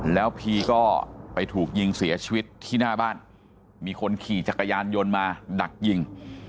แล้วพีก็ไปถูกยิงเสียชีวิตที่หน้าบ้านมีคนขี่จักรยานยนต์มาดักยิง